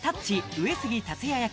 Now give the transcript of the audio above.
上杉達也役